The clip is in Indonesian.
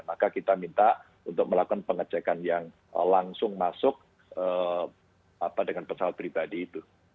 maka kita minta untuk melakukan pengecekan yang langsung masuk dengan pesawat pribadi itu